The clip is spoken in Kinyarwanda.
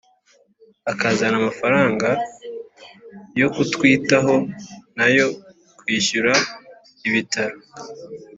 akazana amafaranga yo kutwitaho nayo kwishyura ibitaro"